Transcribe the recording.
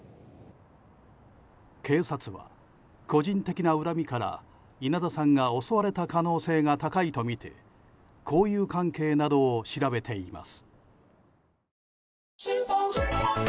警察は、個人的な恨みから稲田さんが襲われた可能性が高いとみて交友関係などを調べています。